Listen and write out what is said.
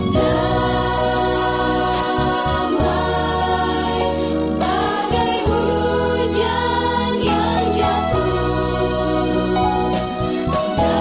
damai bagai hujan yang jatuh